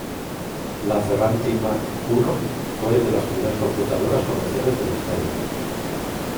La Ferranti Mark I fue de las primeras computadoras comerciales de la historia.